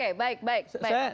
oke baik baik